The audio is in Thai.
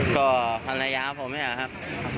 ก็ภรรยาผมนะครับ